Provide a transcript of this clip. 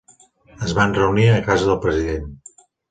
Es van reunir a casa del president.